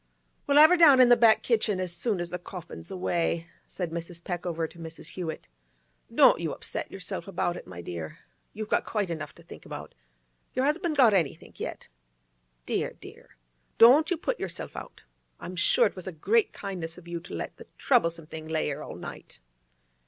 'We'll have her down in the back kitchen as soon as the corffin's away,' said Mrs. Peckover to Mrs. Hewett. 'Don't you upset yerself about it, my dear; you've got quite enough to think about. Yer 'usband got anythink yet? Dear, dear! Don't you put yerself out. I'm sure it was a great kindness of you to let the troublesome thing lay 'ere all night.